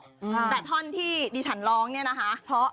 แต่ท่อนที่ดิฉันร้องเนี่ยนะคะเพราะ